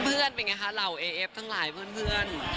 เป็นไงคะเหล่าเอเอฟทั้งหลายเพื่อน